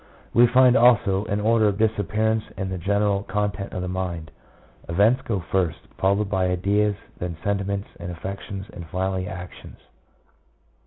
148, MEMORY. 79 We find also an order of disappearance in the general content of the mind. Events go first, followed by ideas, then sentiments and affections, and finally actions.